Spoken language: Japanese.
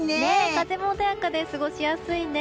風も穏やかで過ごしやすいね。